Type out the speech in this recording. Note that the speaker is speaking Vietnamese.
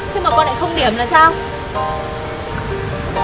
thế mà con lại không điểm là sao